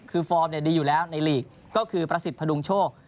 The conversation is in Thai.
คือฟอร์มดีอยู่แล้วในลีกก็คือประสิทธิพดุงโชค